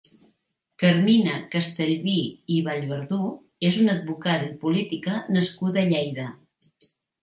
Carmina Castellví i Vallverdú és una advocada i política nascuda a Lleida.